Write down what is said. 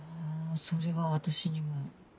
それは私にも。